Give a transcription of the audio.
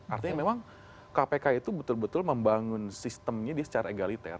artinya memang kpk itu betul betul membangun sistemnya dia secara egaliter